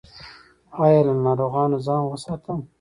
ایا له ناروغانو ځان وساتم؟